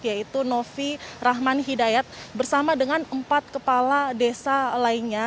yaitu novi rahman hidayat bersama dengan empat kepala desa lainnya